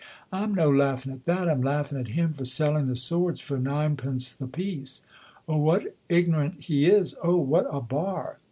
"I'm no laughing at that. I'm laughing at him for selling the swords for ninepence the piece. Oh, what ignorant he is, oh, what a bar!"